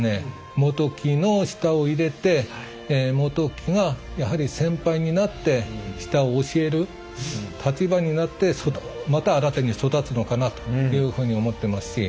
本木の下を入れて本木がやはり先輩になって下を教える立場になってまた新たに育つのかなというふうに思ってますし。